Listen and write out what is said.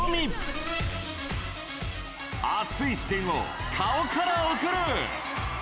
熱い視線を顔から送る。